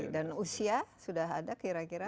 dan usia sudah ada kira kira